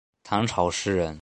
唐朝诗人。